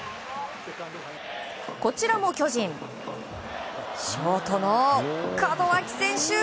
こちらも巨人ショートの門脇選手。